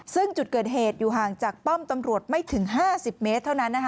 ซึ่งจุดเกิดเหตุอยู่ห่างจากป้อมตำรวจไม่ถึง๕๐เมตรเท่านั้น